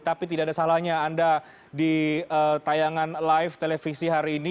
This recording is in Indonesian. tapi tidak ada salahnya anda di tayangan live televisi hari ini